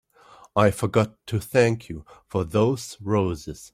I forgot to thank you for those roses.